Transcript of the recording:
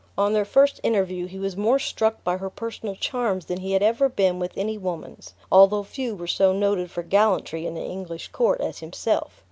On their first interview he was more struck by her personal charms than he had ever been with any woman's, although few were so noted for gallantry in the English court as himself.